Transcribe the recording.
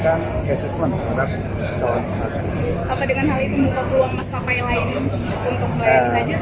apa dengan hal itu muka peluang mas papai lain untuk bayar anggota ngaji